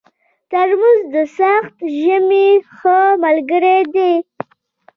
ترموز د سخت ژمي ښه ملګری دی.